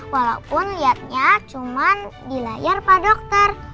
walaupun lihatnya cuma di layar pak dokter